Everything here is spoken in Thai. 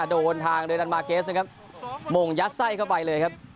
โดนทางเรลันมาเกสนะครับมงยัดไส้เข้าไปเลยครับ